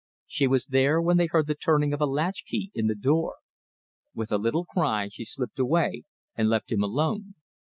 She was there when they heard the turning of a latch key in the door. With a little cry she slipped away and left him alone.